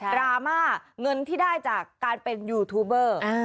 ราม่าเงินที่ได้จากการเป็นยูทูบเบอร์